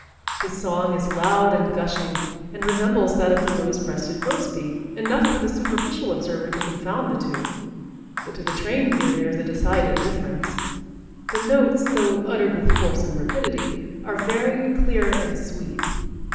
His song is loud and gushing and resembles that of the rose breasted grosbeak enough for the superficial observer to confound the two, but to the trained ear there is a decided difference. The notes, though uttered with force and rapidity, are varied, clear and sweet.